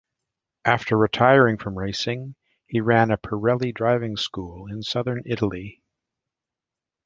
After retiring from racing, he ran a Pirelli driving school in southern Italy.